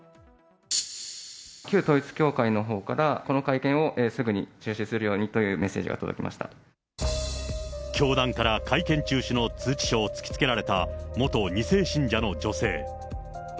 旧統一教会のほうからこの会見をすぐに中止するようにという教団から会見中止の通知書を突きつけられた元２世信者の女性。